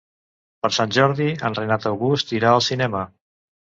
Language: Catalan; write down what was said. Per Sant Jordi en Renat August irà al cinema.